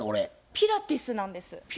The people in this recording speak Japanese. ピラティスなんです。